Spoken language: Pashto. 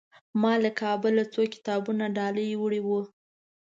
ما له کابله څو کتابونه ډالۍ وړي وو.